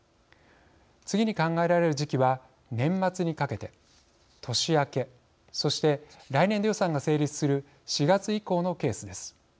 次に考えられる時期は年末にかけて、年明けそして来年度予算が成立する４月以降のケースです。